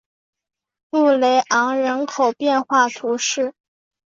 布雷昂人口变化图示